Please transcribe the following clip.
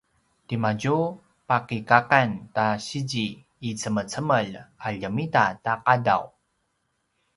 timadju pakikakan ta sizi i cemecemel a ljemita ta qadaw